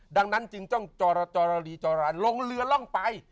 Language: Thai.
ดังนั้นจริงจ้องจอละลีลงเรือล่องไป